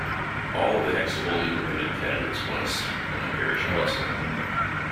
All of the Hextable Independent candidates won a seat on the Parish Council.